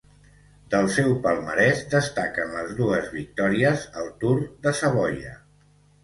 Del seu palmarès destaquen les dues victòries al Tour de Savoia.